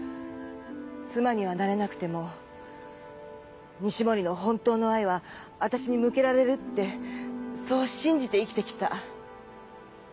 妻にはなれなくても西森の本当の愛は私に向けられるってそう信じて生きてきた。